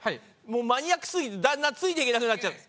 もうマニアックすぎてだんだんついていけなくなっちゃった。